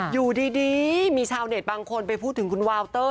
อยู่ดีมีชาวเน็ตบางคนไปพูดถึงคุณวาวเตอร์